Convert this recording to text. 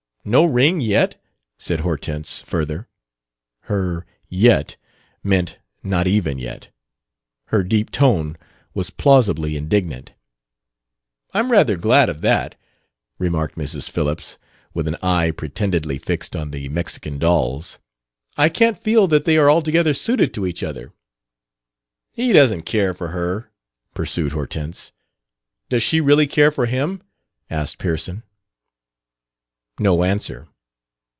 "No ring yet," said Hortense, further. Her "yet" meant "not even yet." Her deep tone was plausibly indignant. "I'm rather glad of that," remarked Mrs. Phillips, with an eye pretendedly fixed on the Mexican dolls. "I can't feel that they are altogether suited to each other." "He doesn't care for her," pursued Hortense. "Does she really care for him?" asked Pearson. No answer.